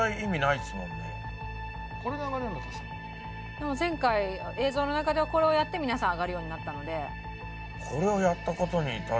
でも前回映像の中ではこれをやって皆さん上がるようになったので。